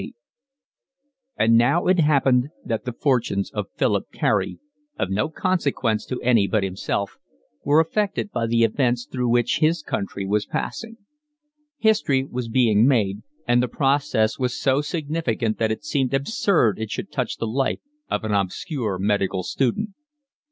XCVIII And now it happened that the fortunes of Philip Carey, of no consequence to any but himself, were affected by the events through which his country was passing. History was being made, and the process was so significant that it seemed absurd it should touch the life of an obscure medical student.